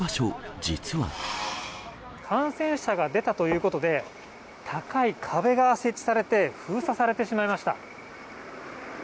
感染者が出たということで、高い壁が設置されて、封鎖されてしまいました。